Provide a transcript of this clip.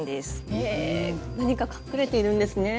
へえ何か隠れているんですね。